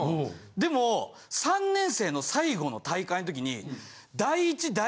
でも３年生の最後の大会の時に。